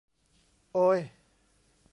โอ๊ย